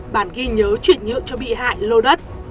bà nga ghi nhớ chuyển nhượng cho bi hại lô đất